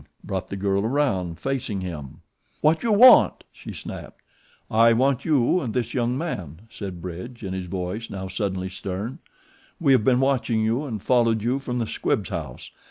brought the girl around, facing him. "What you want?" she snapped. "I want you and this young man," said Bridge, his voice now suddenly stern. "We have been watching you and followed you from the Squibbs house.